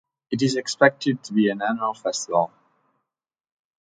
It is expected to be an annual festival.